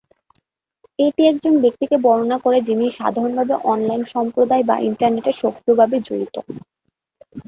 এটি একজন ব্যক্তিকে বর্ণনা করে যিনি সাধারণভাবে অনলাইন সম্প্রদায় বা ইন্টারনেটে সক্রিয়ভাবে জড়িত।